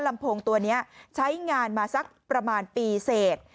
ลำโพงตัวนี้ใช้งานมาสักประมาณปีเสร็จ